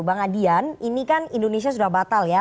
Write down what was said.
bang adian ini kan indonesia sudah batal ya